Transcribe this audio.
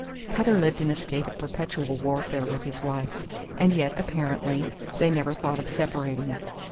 Cutter lived in a state of perpetual warfare with his wife, and yet, apparently, they never thought of separating.